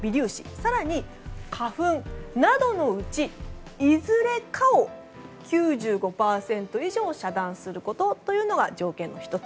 更に花粉などのうちいずれかを９５％以上遮断することというのが条件の１つ。